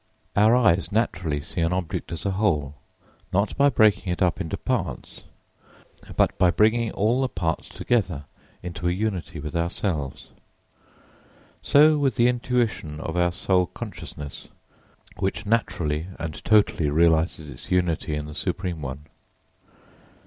Our eyes naturally see an object as a whole, not by breaking it up into parts, but by bringing all the parts together into a unity with ourselves. So with the intuition of our Soul consciousness, which naturally and totally realises its unity in the Supreme One.